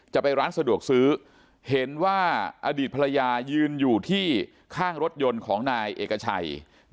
จะไปร้านสะดวกซื้อเห็นว่าอดีตภรรยายืนอยู่ที่ข้างรถยนต์ของนายเอกชัย